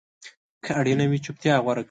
که اړینه وي، چپتیا غوره کړئ.